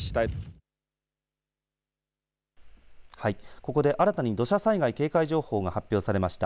ここで新たに土砂災害警戒情報が発表されました。